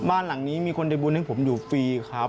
บ้านหลังนี้มีคนได้บุญให้ผมอยู่ฟรีครับ